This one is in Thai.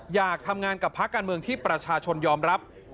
อยากทำงานกับภาคการเมืองที่ประชาชนยอมรับ